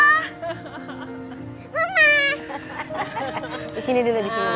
di sini dulu di sini dulu ya